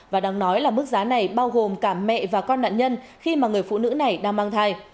và đáng nói là mức giá này bao gồm cả mẹ và con nạn nhân khi mà người phụ nữ này đang mang thai